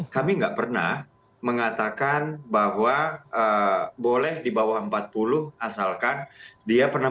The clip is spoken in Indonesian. kami nggak pernah mengatakan bahwa boleh di bawah empat puluh asalkan dia pernah